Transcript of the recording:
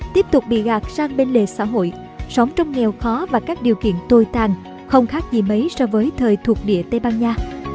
tiếp tục bị gạt sang bên lề xã hội sống trong nghèo khó và các điều kiện tồi tàn không khác gì mấy so với thời thuộc địa tây ban nha